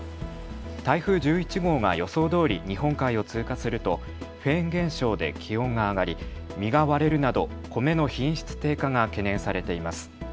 台風１１号が予想どおり日本海を通過するとフェーン現象で気温が上がり、実が割れるなど米の品質低下が懸念されています。